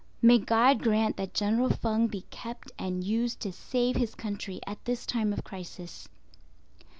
May God grant that General Feng be kept and used to save his country at this time of crisis.